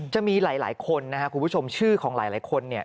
จะมีหลายคนนะครับคุณผู้ชมชื่อของหลายคนเนี่ย